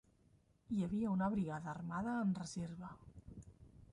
Hi havia una brigada armada en reserva.